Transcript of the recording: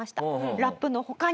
ラップの他に。